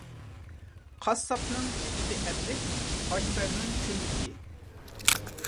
قاسساپنىڭ پىچىقى ئەپلىك، ئاشپەزنىڭ چۆمۈچى.